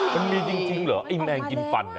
มันมีจริงเหรอไอ้แมงกินฟัน